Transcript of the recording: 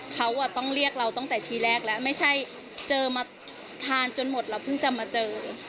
เขาต้องเรียกเราตั้งแต่ทีแรกแล้วไม่ใช่เจอมาทานจนหมดเราเพิ่งจะมาเจอ